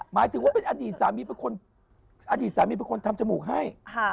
หมายถึงว่าเป็นอดีตสามีเป็นคนทำจมูกให้